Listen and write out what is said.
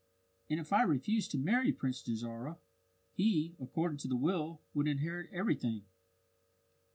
"And if I refused to marry Prince Dajarah, he, according to the will, would inherit everything.